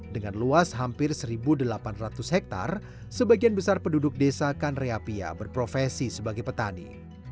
dengan luas hampir satu delapan ratus hektare sebagian besar penduduk desa kanreapia berprofesi sebagai petani